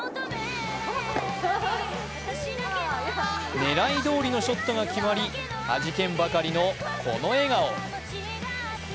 狙いどおりのショットが決まり、はじけんばかりの、この笑顔。